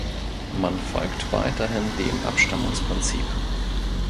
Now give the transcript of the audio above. Man folgt weiterhin dem Abstammungsprinzip.